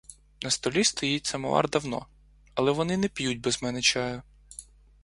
На столі стоїть самовар давно, але вони не п'ють без мене чаю.